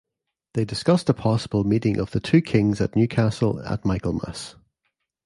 They discussed a possible meeting of the two Kings at Newcastle at Michaelmas.